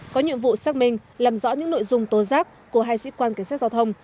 có nhiệm vụ xác minh làm rõ những nội dung tố giác của hai sĩ quan cảnh sát giao thông